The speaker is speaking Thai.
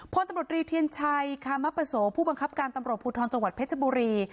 พลตำรวจรีเทียนชัยคามปโสผู้บังคับการตำรวจภูทรจังหวัดเพชรบุรี